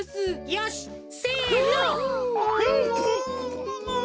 よしせの。